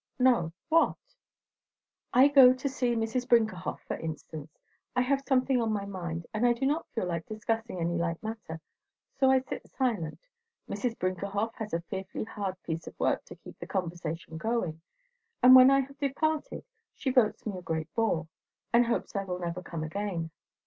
"No. What?" "I go to see Mrs. Brinkerhoff, for instance. I have something on my mind, and I do not feel like discussing any light matter, so I sit silent. Mrs. Brinkerhoff has a fearfully hard piece of work to keep the conversation going; and when I have departed she votes me a great bore, and hopes I will never come again.